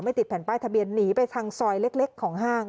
ติดแผ่นป้ายทะเบียนหนีไปทางซอยเล็กของห้าง